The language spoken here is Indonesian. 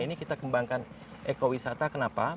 ini kita kembangkan ekowisata kenapa